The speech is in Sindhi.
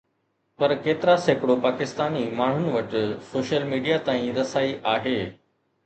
پر ڪيترا سيڪڙو پاڪستاني ماڻهن وٽ سوشل ميڊيا تائين رسائي آهي؟